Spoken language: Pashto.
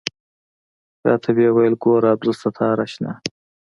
راته ويې ويل ګوره عبدالستاره اشنا.